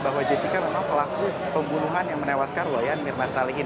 bahwa jessica memang pelaku pembunuhan yang menewaskan wayan mirna salihin